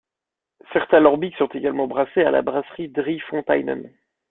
Certains lambics sont également brassés à la brasserie Drie Fonteinen.